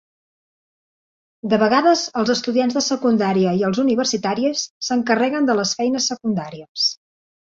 De vegades, els estudiants de secundària i els universitaris s'encarreguen de les feines secundàries.